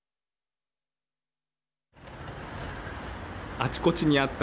あちこちにあった